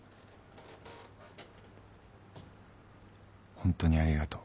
ホントにありがとう。